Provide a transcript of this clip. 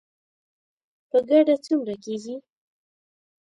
په ګډه څومره کیږي؟